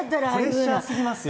プレッシャーすぎますよ。